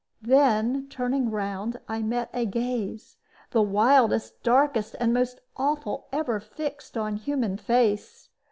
Then turning round, I met a gaze, the wildest, darkest, and most awful ever fixed on human face.